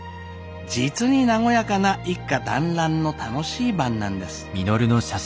実に和やかな一家団らんの楽しい晩なんです。